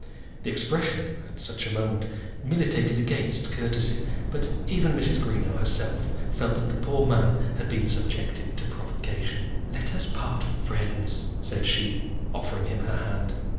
The expression, at such a moment, militated against courtesy; but even Mrs. Greenow herself felt that the poor man had been subjected to provocation. "Let us part friends," said she, offering him her hand.